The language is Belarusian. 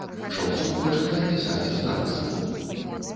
Шаўцоў пачынае пісаць з нарысаў.